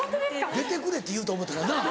出てくれって言うと思ったけどな。